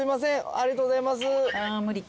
ありがとうございます。